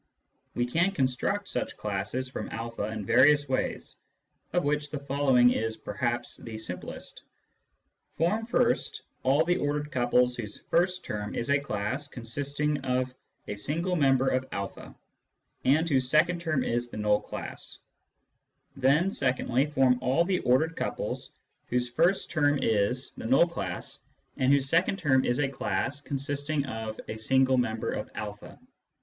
We can construct such classes from a in various ways, of which the following is perhaps the simplest : Form first all the ordered couples whose first term is a class consisting of a single member of a, and whose second term is the null class ; then, secondly, form all the ordered couples whose first term'is 117 1 1 8 •Introduction to Mathematical Philosophy the null class and whose second term is a class consisting of a single member of a.